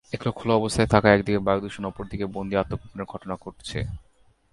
এগুলো খোলা অবস্থায় থাকায় একদিকে বায়ুদূষণ, অপর দিকে বন্দী আত্মগোপনের ঘটনা ঘটছে।